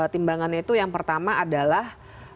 timbangannya itu yang pertama adalah